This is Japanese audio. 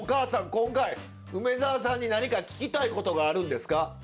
今回梅沢さんに何か聞きたいことがあるんですか？